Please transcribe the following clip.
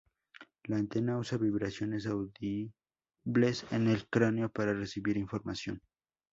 La antena usa vibraciones audibles en el cráneo para recibir información.